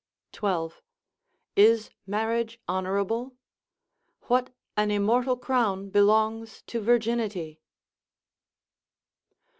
—12. Is marriage honourable? What an immortal crown belongs to virginity?